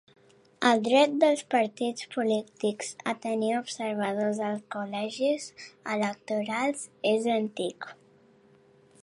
El dret dels partits polítics a tenir observadors als col·legis electorals és antic.